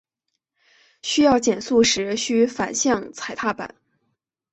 需要减速时须反向踩踏板。